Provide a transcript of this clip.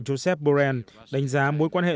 joseph borrell đánh giá mối quan hệ